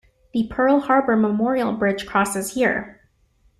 The Pearl Harbor Memorial Bridge crosses here.